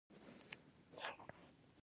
ایا د وینې غوړ مو معاینه کړي دي؟